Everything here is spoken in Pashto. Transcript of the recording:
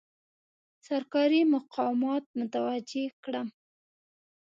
سرکاري مقامات متوجه کړم.